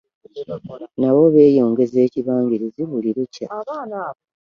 Nabo beeyongeza ekibangirizi buli olukya.